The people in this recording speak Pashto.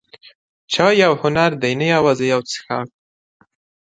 چای یو هنر دی، نه یوازې یو څښاک.